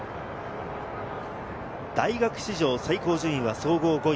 大学史上最高順位は総合５位。